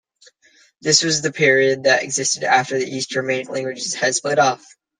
This was the period that existed after the East Germanic languages had split off.